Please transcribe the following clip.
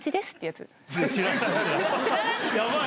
やばい。